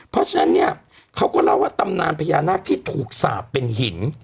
เพราะฉะนั้นเนี่ยเขาก็เล่าว่าตำนานพญานาคที่ถูกสาปเป็นหิน